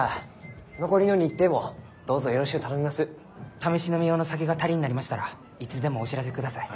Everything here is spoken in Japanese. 試し飲み用の酒が足りんなりましたらいつでもお知らせください。